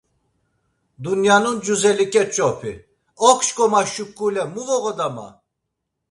Dunyanun cuzeli keç̌opi, okşǩoma şuǩule mu voğoda ma?